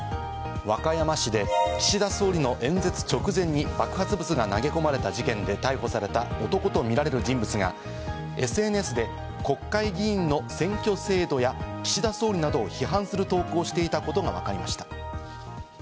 和歌山市で岸田総理の演説直前に爆発物が投げ込まれた事件で逮捕された男とみられる人物が、ＳＮＳで国会議員の選挙制度や岸田総理などを批判する投稿をしていたことがわかりました。